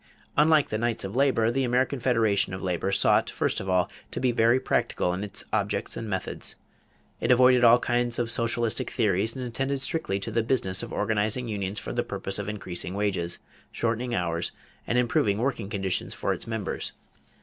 = Unlike the Knights of Labor, the American Federation of Labor sought, first of all, to be very practical in its objects and methods. It avoided all kinds of socialistic theories and attended strictly to the business of organizing unions for the purpose of increasing wages, shortening hours, and improving working conditions for its members.